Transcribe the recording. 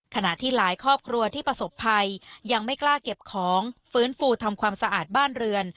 ขณะที่หลายครอบครัวที่ประสบภัยยังไม่กล้าเก็บของฟื้นฟูทำความสะอาดบ้านเรือน